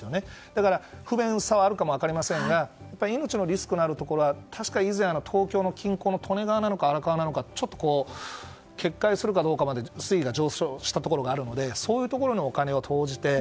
だから、不便さはあるかも分かりませんが命のリスクのあるところは確か、東京近郊の利根川なのか荒川なのかちょっと決壊するかどうかまで水位が上昇したところがあるのでそういうところにお金を投じて。